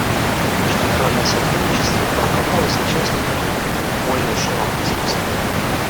Международное сотрудничество толковалось участниками в более широком смысле.